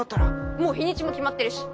もう日にちも決まってるし！